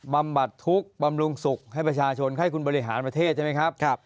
บำบัดทุกข์บำรุงสุขให้ประชาชนให้คุณบริหารประเทศใช่ไหมครับ